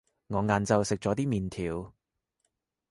我晏晝食咗啲麵條